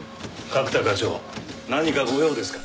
角田課長何か御用ですか？